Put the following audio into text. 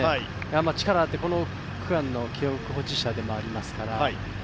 力があって、この区間の記録保持者でもありますから。